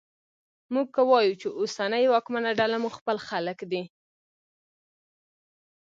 موږ که وایوو چې اوسنۍ واکمنه ډله مو خپل خلک دي